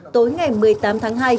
tối ngày một mươi tám tháng hai